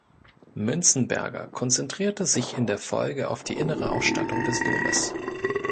Münzenberger konzentrierte sich in der Folge auf die innere Ausstattung des Domes.